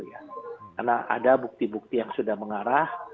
karena ada bukti bukti yang sudah mengarah